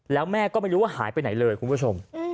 แล้วแม่ก็ไม่รู้ว่าหายไปไหนเลยคุณผู้ชม